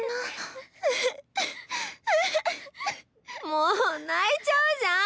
もう泣いちゃうじゃん！